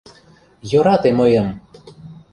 Йӧрате мыйым!..